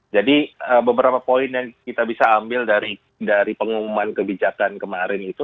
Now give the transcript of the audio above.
jadi beberapa poin yang kita bisa ambil dari pengumuman kebijakan kemarin itu